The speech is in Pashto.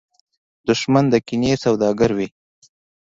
دښمن د کینې سوداګر وي